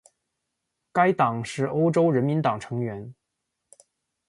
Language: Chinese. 该党是欧洲人民党成员。